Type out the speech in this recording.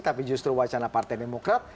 tapi justru wacana partai demokrat